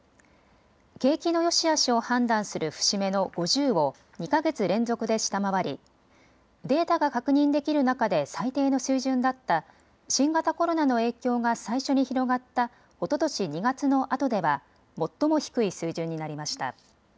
景気のよしあしを判断する節目の５０を２か月連続で下回りデータが確認できる中で最低の水準だった新型コロナの影響が最初に広がったおととし２月のあとでは最も低い水準になりました。